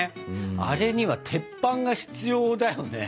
あれには鉄板が必要だよね。